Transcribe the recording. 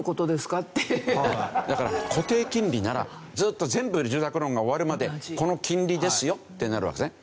だから固定金利ならずーっと全部住宅ローンが終わるまでこの金利ですよってなるわけですね。